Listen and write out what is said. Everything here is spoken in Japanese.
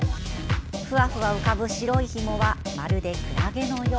ふわふわ浮かぶ白いひもはまるで、くらげのよう。